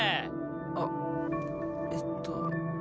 あっえっと